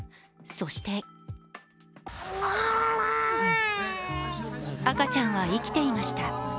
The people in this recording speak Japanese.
そして赤ちゃんは生きていました。